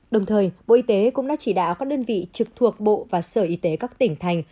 đồng thời bộ y tế cũng đã chỉ đạo các đơn vị trực thuộc bộ và sở y tế các tỉnh thành